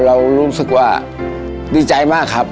เรารู้สึกว่าดีใจมากครับ